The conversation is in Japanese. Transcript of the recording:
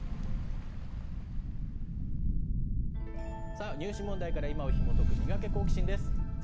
さあ、入試問題から今をひもとくミガケ、好奇心！です。